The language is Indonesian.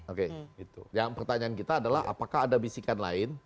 oke yang pertanyaan kita adalah apakah ada bisikan lain